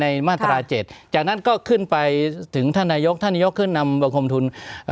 มาตราเจ็ดจากนั้นก็ขึ้นไปถึงท่านนายกท่านนายกขึ้นนำประคมทุน